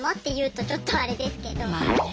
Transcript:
まあね。